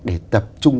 để tập trung